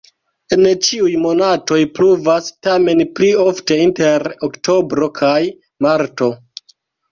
En ĉiuj monatoj pluvas, tamen pli ofte inter oktobro kaj marto.